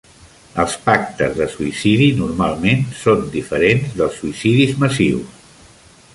Els pactes de suïcidi normalment són diferents dels suïcidis massius.